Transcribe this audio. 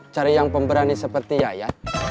cari yang pemberani seperti ya ya